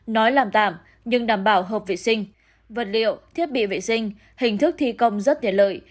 nói làm tạm nhưng đảm bảo hợp vệ sinh vật liệu thiết bị vệ sinh hình thức thi công rất tiện lợi